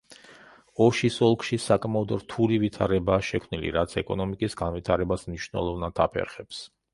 ოშის ოლქში საკმაოდ რთული ვითარებაა შექმნილი, რაც ეკონომიკის განვითრებას მნიშვნელოვნად აფერხებს.